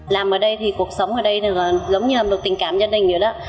làm ở đây thì cuộc sống ở đây giống như là được tình cảm gia đình vậy đó